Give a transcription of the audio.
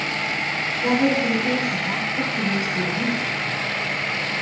Hja wurde foar de earste help trochferwiisd nei de húsdokter.